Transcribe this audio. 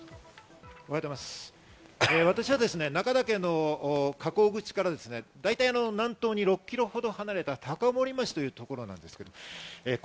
私は中岳の火口口からだいたい南東に６ｋｍほど離れた高森町というところにいます。